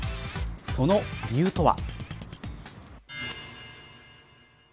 その理由とは。